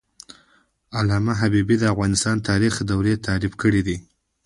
علامه حبيبي د افغانستان د تاریخ دورې تعریف کړې دي.